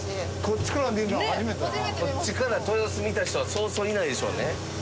こっちから豊洲見た人はそうそういないでしょうね。